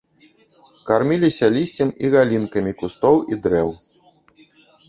Карміліся лісцем і галінкамі кустоў і дрэў.